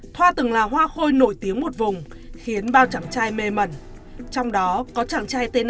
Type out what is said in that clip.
thoa từng là hoa khôi nổi tiếng một vùng khiến bao chàng trai mê mẩn trong đó có chàng trai t năm